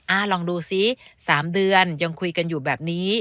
ลองดูซิ๓เดือนยังคุยกันอยู่แบบนี้